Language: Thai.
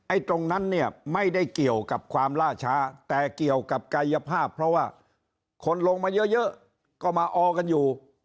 ตรงนั้นเนี่ยไม่ได้เกี่ยวกับความล่าช้าแต่เกี่ยวกับกายภาพเพราะว่าคนลงมาเยอะก็มาออกันอยู่